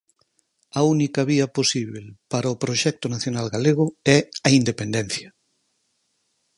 A única vía posíbel para o proxecto nacional galego é a independencia.